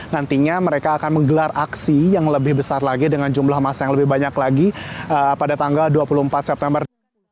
nantinya mereka akan menggelar aksi yang lebih besar lagi dengan jumlah masa yang lebih banyak lagi pada tanggal dua puluh empat september